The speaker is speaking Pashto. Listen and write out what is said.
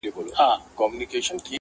• چي قاضي ته چا ورکړئ دا فرمان دی,